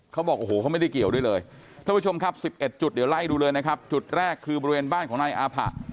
เขาบอกโอ้โหเขาไม่ได้เกี่ยวด้วยเลยท่านผู้ชมครับ๑๑จุดเดี๋ยวไล่ดูเลยนะครับจุดแรกคือบริเวณบ้านของนายอาผะ